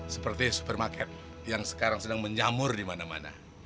seperti supermarket yang sekarang sedang menjamur di mana mana